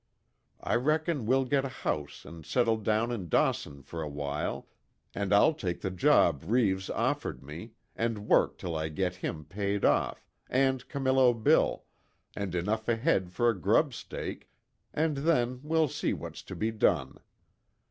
I reckon we'll get a house and settle down in Dawson for a while, and I'll take the job Reeves offered me, and work till I get him paid off, and Camillo Bill, and enough ahead for a grub stake, and then we'll see what's to be done.